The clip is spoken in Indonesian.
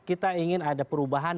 kita ingin ada perubahan